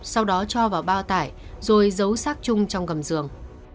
sau đó cho vào bao tải rồi giấu sát chung trong gầm giường